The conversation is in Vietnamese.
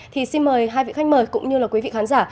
thì xin mời hai vị khách mời cũng như là quý vị khán giả